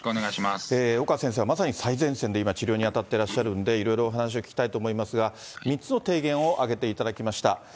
岡先生はまさに最前線で今、治療に当たってらっしゃるんで、いろいろお話を聞きたいと思いますが、３つの提言を挙げていただきました。